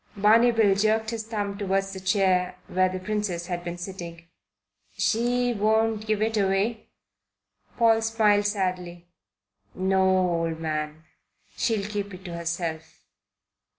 Barney Bill jerked his thumb towards the chair where the Princess had been sitting: "She won't give it away?" Paul smiled sadly. "No, old man. She'll keep it to herself."